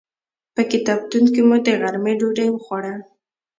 په کتابتون کې مو د غرمې ډوډۍ وخوړه.